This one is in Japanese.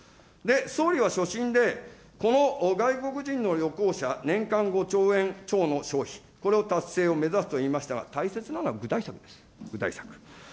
総理は所信で、この外国人の旅行者年間５兆円超の消費、これの達成を目指すと言いましたが、大切なのは具体策です、具体策。